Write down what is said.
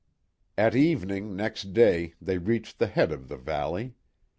At evening next day they reached the head of the valley.